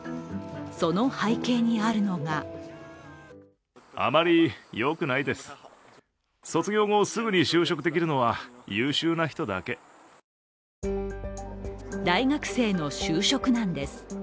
その背景にあるのが大学生の就職難です。